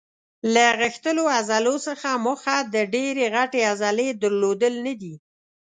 له غښتلو عضلو څخه موخه د ډېرې غټې عضلې درلودل نه دي.